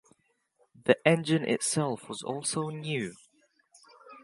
The engine itself was also new.